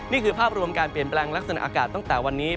นี่คือภาพรวมการเปลี่ยนแปลงลักษณะอากาศตั้งแต่วันนี้